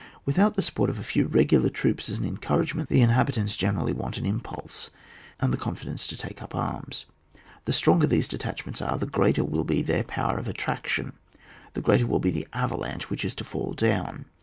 Without the support of a few regular troops as an encouragement, the inhabi tants generally want an impulse, and the confidence to take up arms. The stronger these detachments are, the greater will be their power of attraction, the greater will be the avalanche which is to fall down.